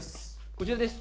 こちらです。